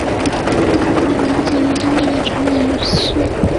地名源自于当地的长延寺。